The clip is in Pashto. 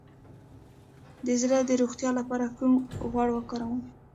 د زړه د روغتیا لپاره کوم غوړ وکاروم؟